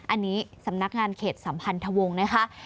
อันนี้สำนักงานเขตสัมพันธวงศ์นะคะ